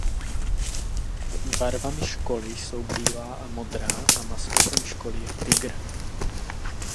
Barvami školy jsou bílá a modrá a maskotem školy je tygr.